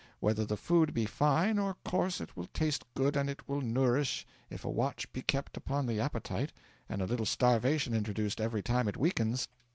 Whether the food be fine or coarse it will taste good and it will nourish if a watch be kept upon the appetite and a little starvation introduced every time it weakens.